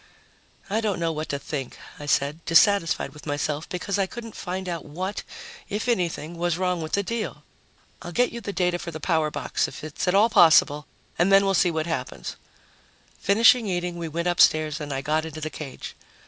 "I don't know what to think," I said, dissatisfied with myself because I couldn't find out what, if anything, was wrong with the deal. "I'll get you the data for the power box if it's at all possible and then we'll see what happens." Finished eating, we went upstairs and I got into the cage.